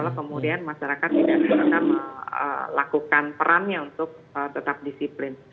kemudian masyarakat tidak bisa melakukan perannya untuk tetap disiplin